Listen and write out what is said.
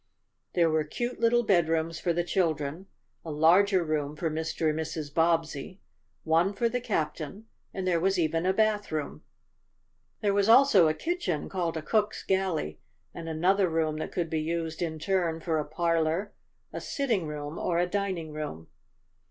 There were cute little bedrooms for the children, a larger room for Mr. and Mrs. Bobbsey, one for the captain and there was even a bathroom. There was also a kitchen, called a cook's galley, and another room that could be used in turn for a parlor, a sitting room or a dining room.